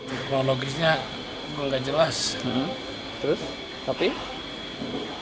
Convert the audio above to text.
teknologisnya nggak jelas